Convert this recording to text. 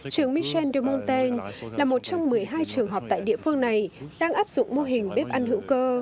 trường michel de montaigne là một trong một mươi hai trường hợp tại địa phương này đang áp dụng mô hình bếp ăn hữu cơ